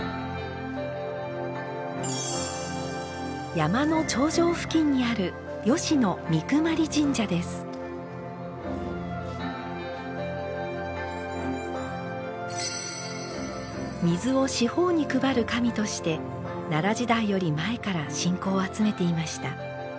山の頂上付近にある水を四方に配る神として奈良時代より前から信仰を集めていました。